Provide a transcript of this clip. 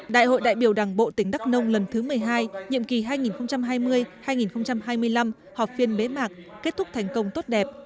đại hội đại biểu đảng bộ tỉnh đắk nông lần thứ một mươi hai nhiệm kỳ hai nghìn hai mươi hai nghìn hai mươi năm họp phiên bế mạc kết thúc thành công tốt đẹp